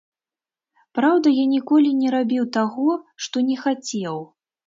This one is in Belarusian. Праўда, я ніколі не рабіў таго, што не хацеў.